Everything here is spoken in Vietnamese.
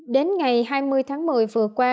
đến ngày hai mươi tháng một mươi vừa qua